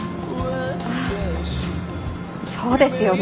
ああそうですよね。